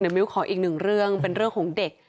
มิ้วขออีกหนึ่งเรื่องเป็นเรื่องของเด็ก